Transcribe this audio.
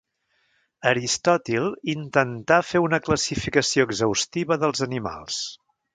Aristòtil intentà fer una classificació exhaustiva dels animals.